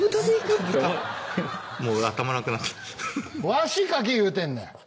わし描け言うてんねん。